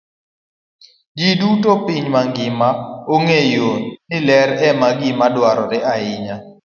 Ji duto e piny mangima ong'eyo ni ler en gima dwarore ahinya.